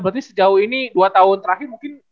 berarti sejauh ini dua tahun terakhir mungkin